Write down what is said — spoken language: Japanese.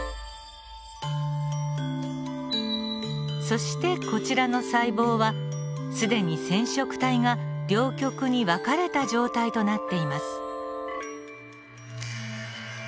そしてこちらの細胞は既に染色体が両極に分かれた状態となっています。